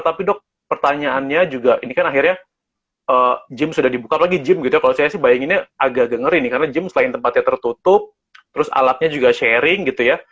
tapi dok pertanyaannya juga ini kan akhirnya gym sudah dibuka lagi gym gitu ya kalau saya sih bayanginnya agak agak ngeri nih karena gym selain tempatnya tertutup terus alatnya juga sharing gitu ya